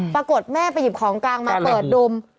ปรากฏแม่ไปหยิบของกลางมาเปิดดุม